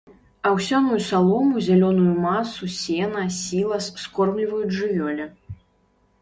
Аўсяную салому, зялёную масу, сена, сілас скормліваюць жывёле.